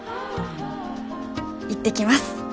行ってきます。